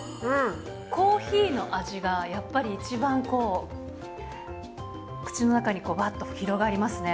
コーヒーの味がやっぱり一番口の中にばっと広がりますね。